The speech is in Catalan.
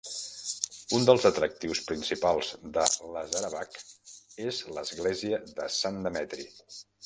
Un dels atractius principals de Lazarevac és l'església de Sant Demetri.